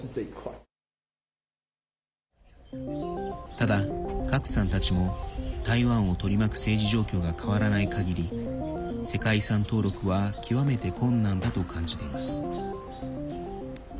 ただ、郭さんたちも台湾を取り巻く政治状況が変わらないかぎり世界遺産登録は極めて困難だと感じています。